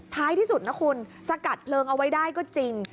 ท้ายที่สุดนะคุณสกัดเพลิงเอาไว้ได้ก็จริง